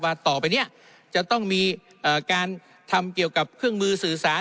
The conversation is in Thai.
ต่อไปเนี่ยจะต้องมีการทำเกี่ยวกับเครื่องมือสื่อสาร